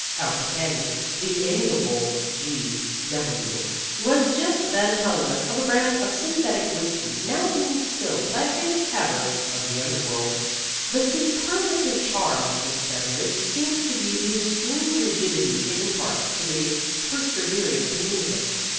Our companion, the amiable G W , was just then telling us of a brand of synthetic whiskey now being distilled by a famous tavern of the underworld. The superlative charm of this beverage seems to be the extreme rigidity it imparts to the persevering communicant.